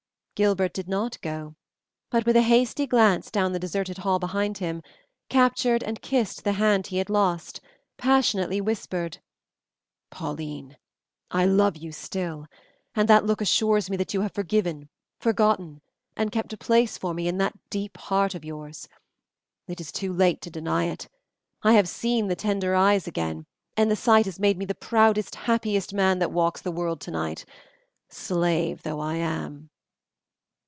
Gilbert did not go but, with a hasty glance down the deserted hall behind him, captured and kissed the hand he had lost, passionately whispering, "Pauline, I love you still, and that look assures me that you have forgiven, forgotten, and kept a place for me in that deep heart of yours. It is too late to deny it. I have seen the tender eyes again, and the sight has made me the proudest, happiest man that walks the world tonight, slave though I am."